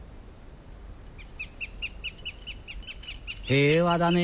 平和だね。